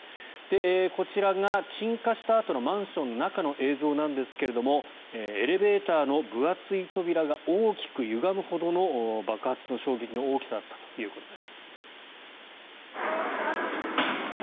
こちらが鎮火したあとのマンションの中の映像なんですがエレベーターの分厚い扉が大きくゆがむほどの爆発の衝撃の大きさだったということです。